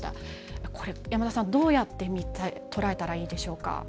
山田さん、どうやって捉えたらいいでしょうか。